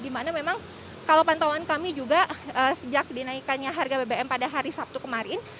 dimana memang kalau pantauan kami juga sejak dinaikannya harga bbm pada hari sabtu kemarin